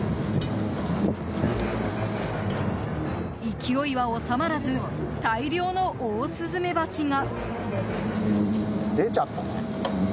勢いは収まらず大量のオオスズメバチが！